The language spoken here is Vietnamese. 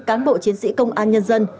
cán bộ chiến sĩ công an nhân dân